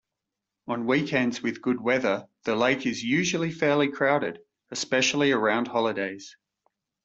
On weekends with good weather the lake is usually fairly crowded, especially around holidays.